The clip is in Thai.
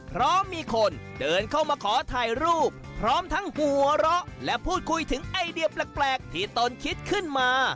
เพราะมีคนเดินเข้ามาขอถ่ายรูปพร้อมทั้งหัวเราะและพูดคุยถึงไอเดียแปลกที่ตนคิดขึ้นมา